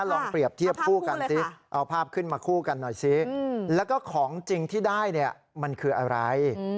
ลองเปรียบเทียบคู่กันสิเอาภาพขึ้นมาคู่กันหน่อยสิแล้วก็ของจริงที่ได้เนี่ยมันคืออะไร